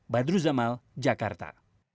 badru zamal jakarta